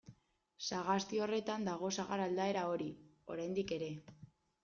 Sagasti horretan dago sagar aldaera hori, oraindik ere.